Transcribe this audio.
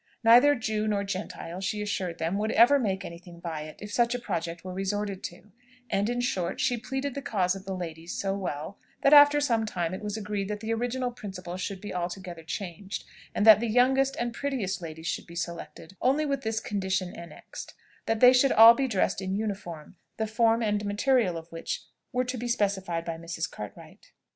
Neither Jew nor Gentile, she assured them, would ever make any thing by it, if such a project were resorted to; and in short she pleaded the cause of the ladies so well, that after some time it was agreed that the original principle should be altogether changed, and that the youngest and prettiest ladies should be selected, only with this condition annexed that they should all be dressed in uniform, the form and material of which were to be specified by Mrs. Cartwright.